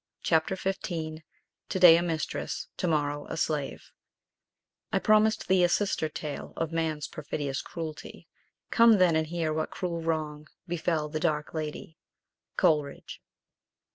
CHAPTER XV TO DAY A MISTRESS, TO MORROW A SLAVE "I promised thee a sister tale Of man's perfidious cruelty; Come, then, and hear what cruel wrong Befell the dark ladie." Coleridge.